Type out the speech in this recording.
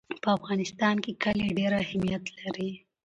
په افغانستان کې کلي ډېر اهمیت لري.